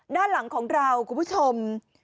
ด้านหลังของเราคุณผู้ชม